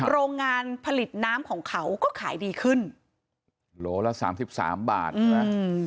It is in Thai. โรงงานผลิตน้ำของเขาก็ขายดีขึ้นโลละสามสิบสามบาทใช่ไหม